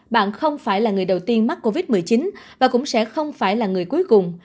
bạn không phải là người đầu tiên mắc covid một mươi chín và cũng sẽ không phải là người cuối cùng